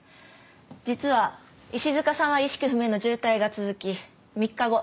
実は石塚さんは意識不明の重体が続き３日後。